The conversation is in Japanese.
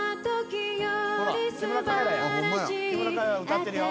歌ってるよ。